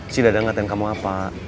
si dadang katain kamu apa